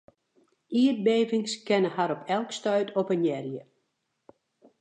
Ierdbevings kinne har op elk stuit oppenearje.